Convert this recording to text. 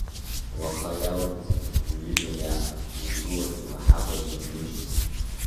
Уаха иалагӡаны, уҩыза иаҳәа, угәылак имаҳакәа днумыжьын!